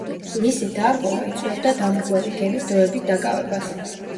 მისი დარღვევა იწვევდა დამრღვევი გემის დროებით დაკავებას.